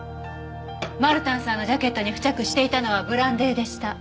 マルタンさんのジャケットに付着していたのはブランデーでした。